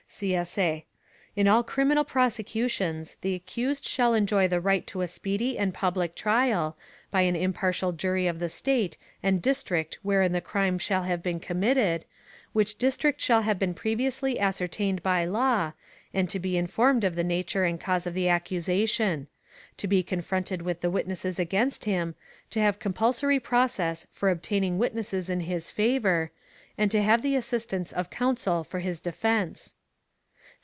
[CSA] In all criminal prosecutions, the accused shall enjoy the right to a speedy and public trial, by an impartial jury of the State and district wherein the crime shall have been committed, which district shall have been previously ascertained by law, and to be informed of the nature and cause of the accusation; to be confronted with the witnesses against him; to have compulsory process for obtaining witnesses in his favor; and to have the assistance of counsel for his defense.